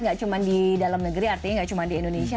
nggak cuma di dalam negeri artinya nggak cuma di indonesia